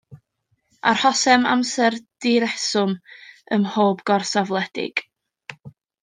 Arhosem amser direswm ym mhob gorsaf wledig.